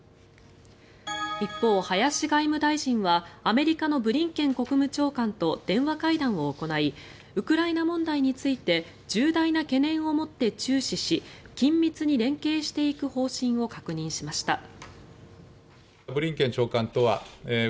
一方、林外務大臣はアメリカのブリンケン国務長官と電話会談を行いウクライナ問題について重大な懸念を持って注視し緊密に連携していく方針を確認しました。